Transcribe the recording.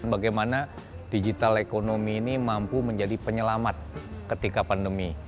bagaimana digital ekonomi ini mampu menjadi penyelamat ketika pandemi